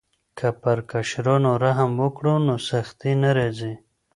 که پر کشرانو رحم وکړو نو سختي نه راځي.